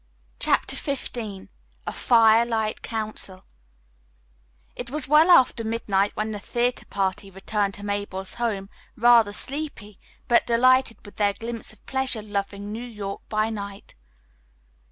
CHAPTER XV A FIRELIGHT COUNCIL It was well after midnight when the theatre party returned to Mabel's home, rather sleepy, but delighted with their glimpse of pleasure loving New York by night.